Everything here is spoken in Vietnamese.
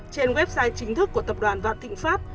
trên website chính thức của tập đoàn vạn thịnh pháp